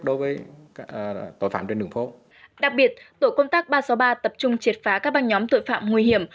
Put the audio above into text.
đặc biệt tổ công tác ba trăm sáu mươi ba tập trung triệt phá các băng nhóm tội phạm nguy hiểm